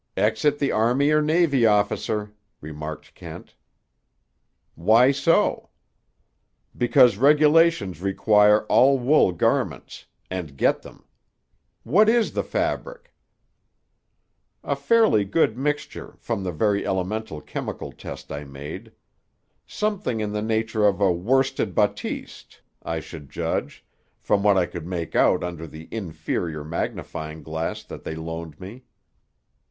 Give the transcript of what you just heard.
"Exit the army or navy officer," remarked Kent. "Why so?" "Because regulations require all wool garments—and get them. What is the fabric?" "A fairly good mixture, from the very elemental chemical test I made. Something in the nature of a worsted batiste, I should judge, from what I could make out under the inferior magnifying glass that they loaned me."